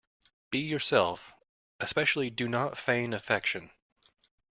Be yourself. Especially do not feign affection.